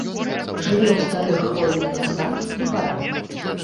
Жыве ў старых хвойных лясах і барах.